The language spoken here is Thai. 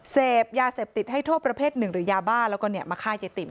เสพยาเสพติดให้โทษประเภทหนึ่งหรือยาบ้าแล้วก็มาฆ่ายายติ๋ม